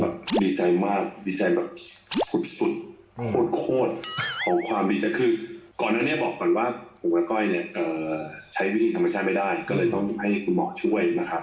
ดีใจมากดีใจแบบสุดโคตรของความดีใจคือก่อนนั้นเนี่ยบอกก่อนว่าผมอาก้อยเนี่ยใช้วิธีธรรมชาติไม่ได้ก็เลยต้องให้คุณหมอช่วยนะครับ